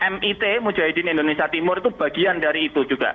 mit mujahidin indonesia timur itu bagian dari itu juga